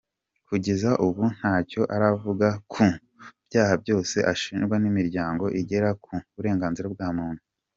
Kugeza ubu ntacyo aravuga ku byaha byose ashinjwa n’imiryango irengera uburenganzira bwa muntu.